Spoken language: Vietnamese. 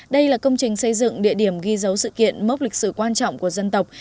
đây là công trình xây dựng địa điểm ghi dấu sự kiện mốc lịch sử quan trọng của dân tộc